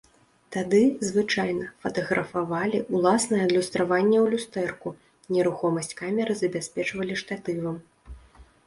Тады, звычайна, фатаграфавалі ўласнае адлюстраванне ў люстэрку, нерухомасць камеры забяспечвалі штатывам.